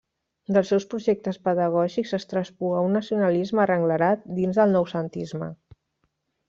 Dels seus projectes pedagògics es traspua un nacionalisme arrenglerat dins del Noucentisme.